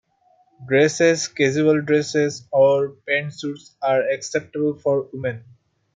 Dresses, casual dresses, or pantsuits are acceptable for women.